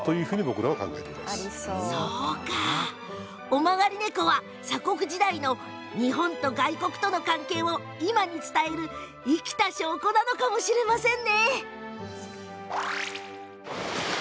尾曲がり猫は鎖国時代の日本と外国との関係を今に伝える生きた証拠なのかもしれませんね。